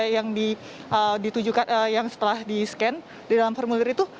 yang ditujukan yang setelah di scan di dalam formulir itu